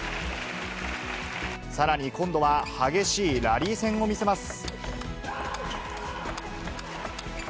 さらに今度は激しいラリー戦を見せます。